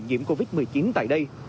nhiễm covid một mươi chín tại đây